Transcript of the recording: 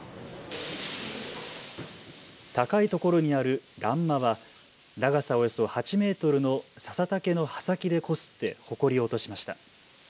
高いところにある欄間は長さおよそ８メートルのささ竹の葉先でこすってほこりを落としました。